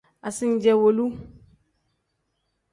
Asincewolu.